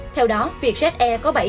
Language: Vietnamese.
theo đó việc ze có bán